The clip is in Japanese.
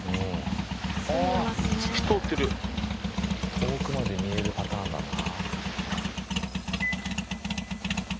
遠くまで見えるパターンだな。